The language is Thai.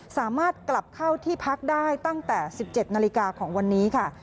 สามารถกลับเข้าที่พักได้ตั้งแต่๑๗นาฬิกาของวันนี้ค่ะ